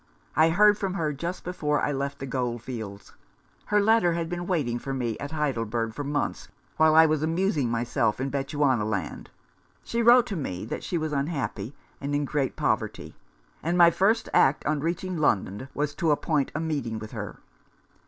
I heard from her just before I left the Gold fields. Her letter had been waiting for me at Heidelberg for months, while I was amusing myself in Bechuanaland. She wrote to me that she was unhappy and in great poverty ; and my first act on reaching London was to appoint a meeting with her.